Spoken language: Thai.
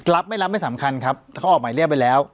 รับไม่รับไม่สำคัญครับเขาออกหมายเรียกไปแล้ว